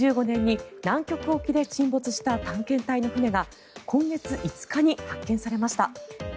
１９１５年に南極沖で沈没した探検隊の船が今月５日に発見されました。